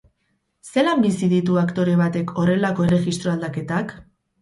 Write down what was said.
Zelan bizi ditu aktore batek horrelako erregistro aldaketak?